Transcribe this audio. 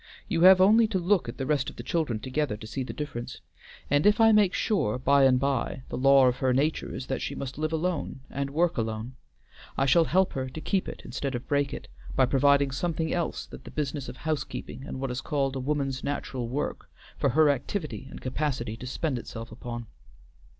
You have only to look at the rest of the children together to see the difference; and if I make sure by and by, the law of her nature is that she must live alone and work alone, I shall help her to keep it instead of break it, by providing something else than the business of housekeeping and what is called a woman's natural work, for her activity and capacity to spend itself upon."